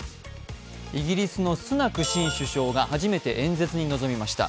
イギリスのスナク新首相が初めての演説に臨みました。